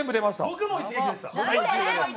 僕も一撃でした。